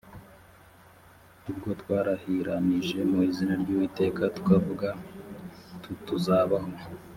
ubwo twarahiranije mu izina ry uwiteka tukavuga tuttuzabaho